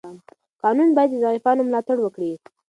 قانون باید د ضعیفانو ملاتړ وکړي.